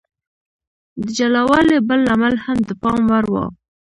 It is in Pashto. د جلا والي بل لامل هم د پام وړ و.